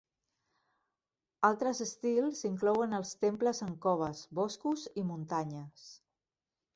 Altres estils inclouen els temples en coves, boscos i muntanyes.